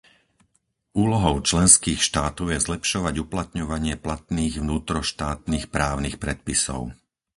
Úlohou členských štátov je zlepšovať uplatňovanie platných vnútroštátnych právnych predpisov.